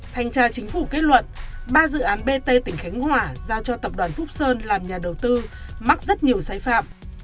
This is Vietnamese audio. thành trà chính phủ kết luận ba dự án pt tỉnh khánh hỏa giao cho tập đoàn phúc sơn làm nhà đầu tư mắc rất nhiều sai phạm